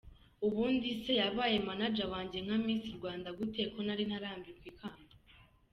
Ubundi se yabaye manager wanjye nka Miss Rwanda gute ko nari ntarambikwa ikamba?.